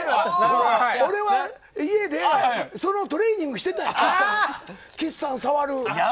俺は家でトレーニングしてたんや、その岸さん触る。